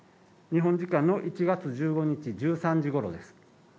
日本時間の１月１５日１３時頃です。